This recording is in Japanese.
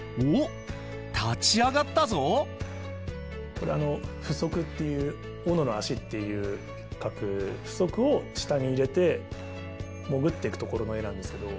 これあの斧足っていう斧の足って書く斧足を下に入れて潜ってくところの画なんですけど。